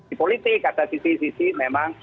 di politik ada sisi sisi memang